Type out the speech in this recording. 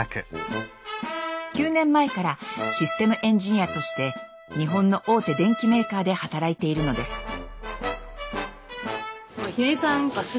９年前からシステムエンジニアとして日本の大手電機メーカーで働いているのです。